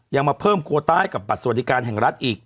มาเพิ่มโคต้ากับบัตรสวัสดิการแห่งรัฐอีก